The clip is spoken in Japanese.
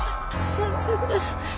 やめてください。